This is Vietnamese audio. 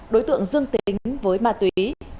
đối tượng dương tính với ma túy